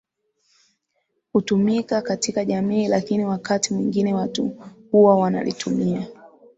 hutumika katika jamii lakini wakati mwingine watu huwa wanalitumia